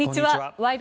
「ワイド！